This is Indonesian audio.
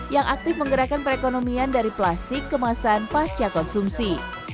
yang aktif menggerakkan perekonomian dari plastik kemasan pasca konsumsi